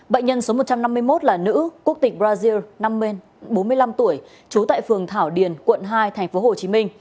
bệnh nhân số một trăm năm mươi một là nữ quốc tịch brazil năm mươi bốn mươi năm tuổi trú tại phường thảo điền quận hai tp hcm